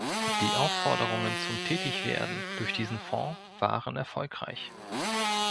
Die Aufforderungen zum Tätigwerden durch diesen Fonds waren erfolgreich.